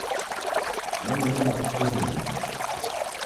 Oniida kituri linu.